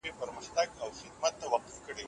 د نفقې په برخه کې د کوم ځای عرف معتبر ګڼل کيږي؟